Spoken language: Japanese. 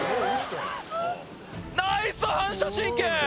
ナイス反射神経！